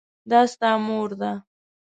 دا ستا مور ده ؟